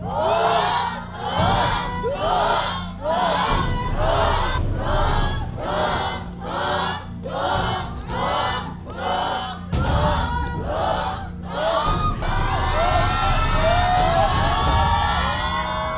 ถูก